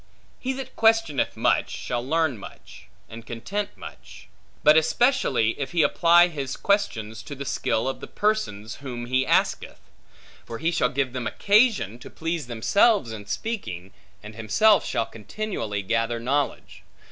He that questioneth much, shall learn much, and content much; but especially, if he apply his questions to the skill of the persons whom he asketh; for he shall give them occasion, to please themselves in speaking, and himself shall continually gather knowledge.